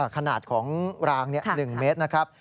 ขนาดของราง๑เมตรนะครับ